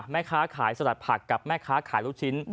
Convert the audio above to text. แม่ค้าขายสลัดผักกับแม่ค้าขายลูกชิ้น